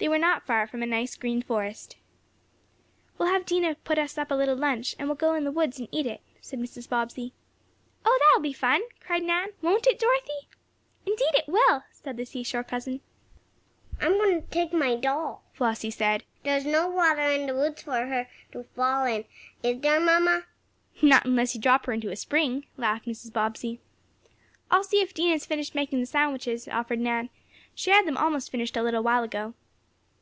They were not far from a nice, green forest. "We'll have Dinah put us up a little lunch, and we'll go in the woods and eat it," said Mrs. Bobbsey. "Oh, that will be fun!" cried Nan. "Won't it, Dorothy?" "Indeed it will," said the seashore cousin. "I'm going to take my doll," Flossie said. "There's no water in the woods for her to fall in, is there, mamma?" "No, not unless you drop her into a spring," laughed Mrs. Bobbsey. "I'll see if Dinah has finished making the sandwiches," offered Nan. "She had them almost finished a little while ago."